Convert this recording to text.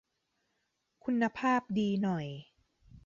คุณภาพดีหน่อย